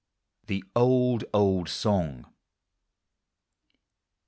THE " OLD, OLD SONG."